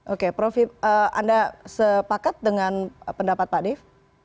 oke prof anda sepakat dengan pendapat pak dev